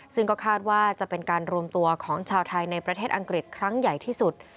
ซึ่งก็คาดว่าจะเป็นการรวมตัวของชาวไทยในประเทศอังกฤษครั้งใหญ่ที่สุด